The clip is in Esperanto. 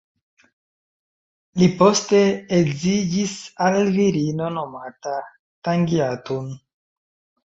Li poste edziĝis al virino nomata Tangiatun.